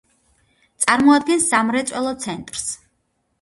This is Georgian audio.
წარმოადგენს სამრეწველო ცენტრს.